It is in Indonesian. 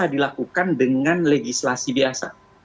dilakukan dengan legislasi biasa